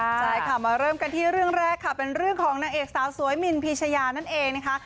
ใช่ค่ะมาเริ่มกันที่เรื่องแรกค่ะเป็นเรื่องของนางเอกสาวสวยมินพีชยานั่นเองนะคะ